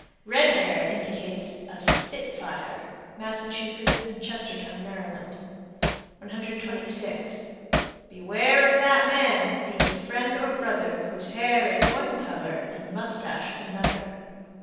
Red hair indicates a "spit fire." Massachusetts and Chestertown, Md. 126. Beware of that man, Be he friend or brother, Whose hair is one color And moustache another.